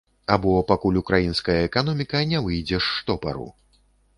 Або пакуль украінская эканоміка не выйдзе з штопару.